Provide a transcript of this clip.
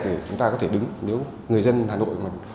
để chúng ta có thể đứng nếu người dân hà nội mà